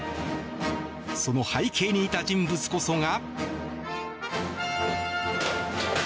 その背景にいた人物こそが。